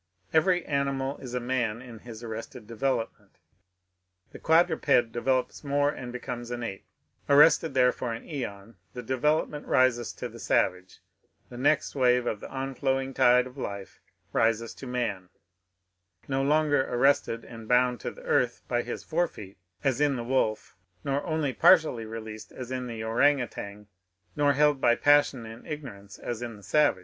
Every animal is a man in this arrested develop ment. The quadruped develops more and becomes an ape ; arrested there for an aeon, the development rises to the savage ; the next wave of the on flowing tide of life rises to man, — no longer arrested and bound to the earth by his forefeet, as in the wolf, nor only partially released as in the oranjg outang, nor held by passion and ignorance as in the sava^.